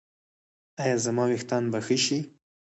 ایا زما ویښتان به ښه شي؟